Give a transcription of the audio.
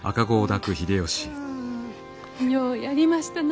ようやりましたな